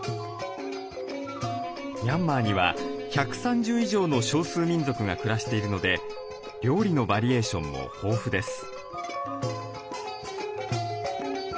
ミャンマーには１３０以上の少数民族が暮らしているので料理のバリエーションも豊富です。